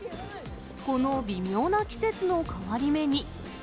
この微妙な季節の変わり目に。